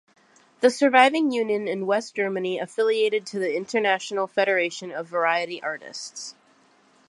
The surviving union in West Germany affiliated to the International Federation of Variety Artists.